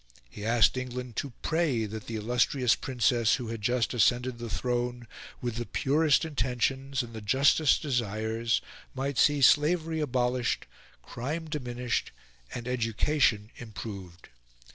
He asked England to pray that the illustrious Princess who had just ascended the throne with the purest intentions and the justest desires might see slavery abolished, crime diminished, and education improved.